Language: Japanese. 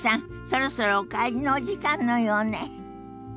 そろそろお帰りのお時間のようね。